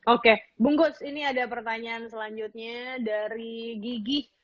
oke bu ngoz ini ada pertanyaan selanjutnya dari gigi